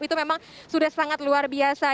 itu memang sudah sangat luar biasa